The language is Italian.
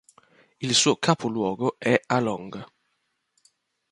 Il suo capoluogo è Along.